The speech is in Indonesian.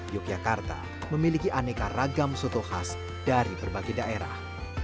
yogyakarta memiliki aneka ragam soto khas dari berbagai daerah